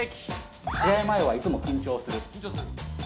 試合前はいつも緊張する。